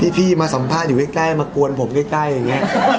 พี่มาสัมภาษณ์อยู่ใกล้มากวนผมใกล้อย่างนี้